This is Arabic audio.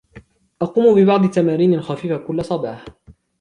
أقوم ببعض التمارين الخفيفة كل صباح.